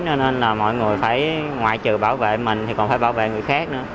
cho nên là mọi người phải ngoại trừ bảo vệ mình thì còn phải bảo vệ người khác nữa